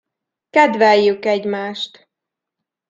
Kedveljük egymást.